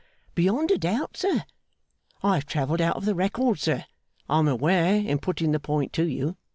Beyond a doubt, sir. I have travelled out of the record, sir, I am aware, in putting the point to you.